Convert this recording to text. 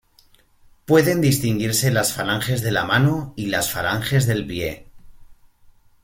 Pueden distinguirse las falanges de la mano y las falanges del pie.